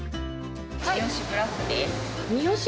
三芳ブラックです。